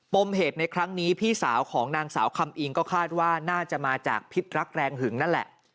มเหตุในครั้งนี้พี่สาวของนางสาวคำอิงก็คาดว่าน่าจะมาจากพิษรักแรงหึงนั่นแหละ